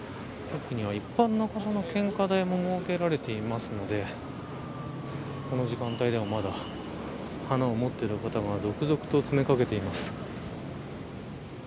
奥には一般の方の献花台も設けられていますのでこの時間帯でもまだ花を持っている方が続々と詰め掛けています。